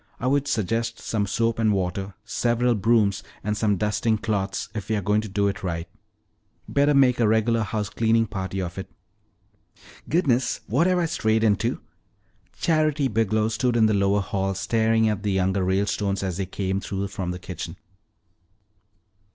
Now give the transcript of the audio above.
"I would suggest some soap and water, several brooms, and some dusting cloths if we're going to do it right. Better make a regular house cleaning party of it." "Goodness, what have I strayed into?" Charity Biglow stood in the lower hall staring at the younger Ralestones as they came through from the kitchen.